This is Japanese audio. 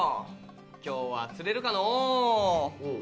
今日は釣れるかの。